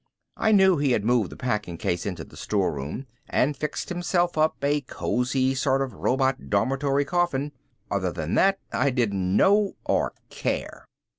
I knew he had moved the packing case into the storeroom and fixed himself up a cozy sort of robot dormitory coffin. Other than that I didn't know or care.